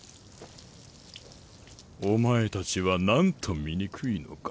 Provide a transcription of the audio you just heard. お前たちは何と醜いのか。